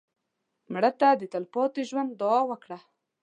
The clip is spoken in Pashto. مړه ته د تلپاتې ژوند دعا وکړه